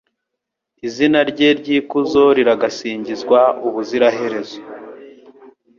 Izina rye ry’ikuzo riragasingizwa ubuziraherezo